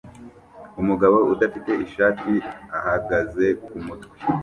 Umugabo udafite ishati ahagaze kumutwe